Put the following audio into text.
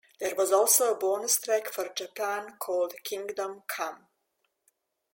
There was also a bonus track for Japan called "Kingdom Come".